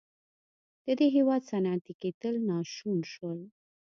د دې هېواد صنعتي کېدل ناشون شول.